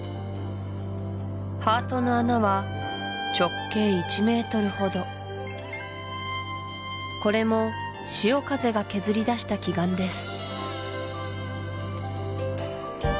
ハートの穴は直径１ｍほどこれも潮風が削りだした奇岩です